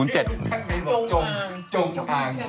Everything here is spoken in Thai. จงอัง